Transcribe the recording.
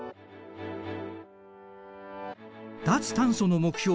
脱炭素の目標